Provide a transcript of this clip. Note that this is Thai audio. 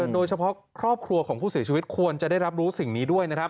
โดยเฉพาะครอบครัวของผู้เสียชีวิตควรจะได้รับรู้สิ่งนี้ด้วยนะครับ